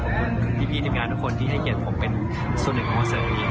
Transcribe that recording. ขอบคุณพี่พีทีมงานทุกคนที่ให้เห็นผมเป็นส่วนหนึ่งของเสิร์ฟนี้